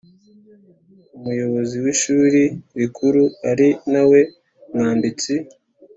Umuyobozi w Ishuri Rikuru ari na we mwanditsi